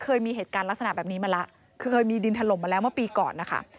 เคยมีเหตุการณ์ลักษณะแบบนี้มาแล้วเคยมีดินถล่มมาแล้วเมื่อปีก่อนนะคะ